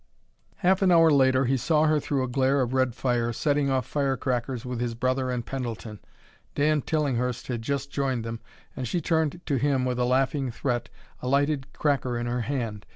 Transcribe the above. Half an hour later he saw her, through a glare of red fire, setting off fire crackers with his brother and Pendleton. Dan Tillinghurst had just joined them, and she turned to him with a laughing threat, a lighted cracker in her hand.